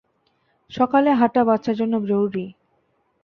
সকালে হাটা বাচ্চার জন্য জরুরি।